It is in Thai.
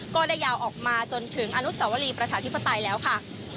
ก็ได้ยาวออกมาจนถึงอนุสวรีประชาธิปไตยแล้วค่ะ